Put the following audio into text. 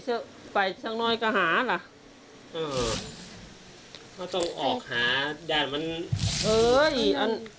เอออีกอัน